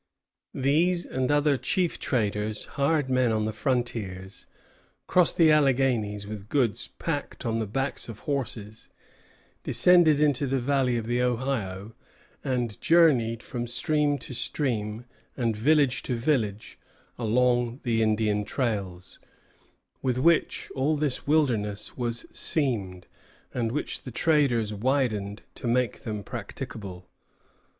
These and other chief traders hired men on the frontiers, crossed the Alleghanies with goods packed on the backs of horses, descended into the valley of the Ohio, and journeyed from stream to stream and village to village along the Indian trails, with which all this wilderness was seamed, and which the traders widened to make them practicable.